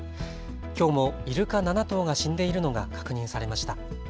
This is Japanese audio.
きょうもイルカ７頭が死んでいるのが確認されました。